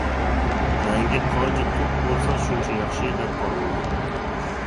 رەڭگى قانچە توق بولسا شۇنچە ياخشى دەپ قارىلىدۇ.